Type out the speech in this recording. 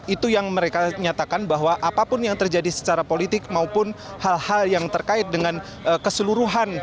itu yang mereka nyatakan bahwa apapun yang terjadi secara politik maupun hal hal yang terkait dengan keseluruhan